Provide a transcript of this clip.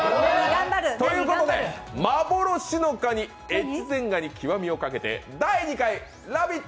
ということで幻のカニ、越前がに極をかけて第２回「ラヴィット！」